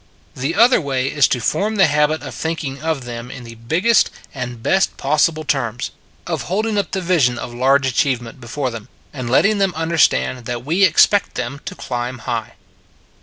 The other way is to form the habit of thinking of them in the biggest and best possible terms; of holding up the vision of large achievement before them and letting them understand that we expect them to climb high.